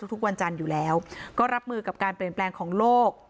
ทุกวันจันทร์อยู่แล้วก็รับมือกับการเปลี่ยนแปลงของโลก